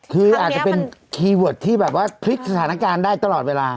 คืออาจจะเป็นคีย์เวิร์ดที่แบบว่าพลิกสถานการณ์ได้ตลอดเวลา